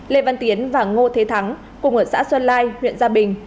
lê văn tiến và ngô thế thắng cùng ở xã xuân lai huyện gia bình